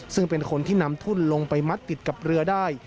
ซึ่งเป็นคนที่นำทุ่นลงไปมัดติดกับเรือได้